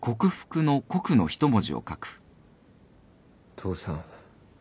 父さん